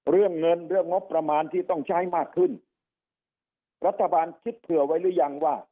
เรื่องเงินเรื่องงบประมาณที่ต้องใช้มากขึ้นรัฐบาลคิดเผื่อไว้หรือยังว่า